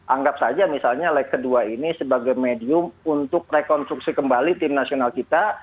anggap saja misalnya leg kedua ini sebagai medium untuk rekonstruksi kembali tim nasional kita